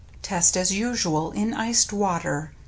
Test as usual in iced water.